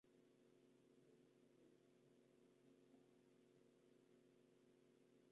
El pueblo de Segovia le guardó fidelidad a partir de ese momento.